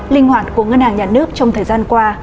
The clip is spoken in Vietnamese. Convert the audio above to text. linh hoạt của ngân hàng nhà nước trong thời gian qua